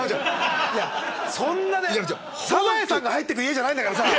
いやそんなサザエさんが入ってく家じゃないんだからさ。